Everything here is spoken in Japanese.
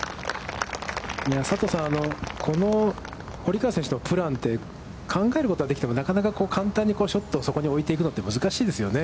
佐藤さん、この堀川選手のプランって考えることはできても、なかなか簡単にショットをそこに置いていくのって難しいですよね。